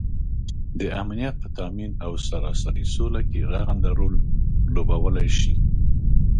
دامنیت په تآمین او سراسري سوله کې رغنده رول لوبوالی شي